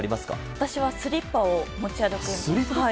私はスリッパを持ち歩くように。